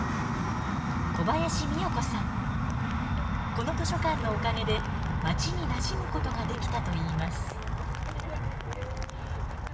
この図書館のおかげで街になじむことができたといいます。